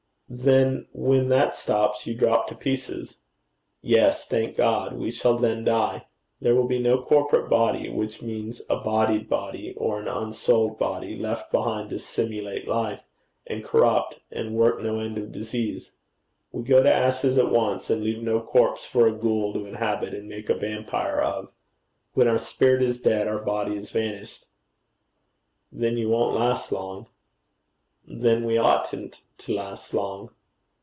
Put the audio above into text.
'Then when that stops you drop to pieces.' 'Yes, thank God. We shall then die. There will be no corporate body which means a bodied body, or an unsouled body, left behind to simulate life, and corrupt, and work no end of disease. We go to ashes at once, and leave no corpse for a ghoul to inhabit and make a vampire of. When our spirit is dead, our body is vanished.' 'Then you won't last long.' 'Then we oughtn't to last long.'